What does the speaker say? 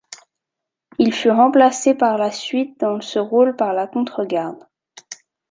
Il fut remplacé par la suite dans ce rôle par la contre-garde.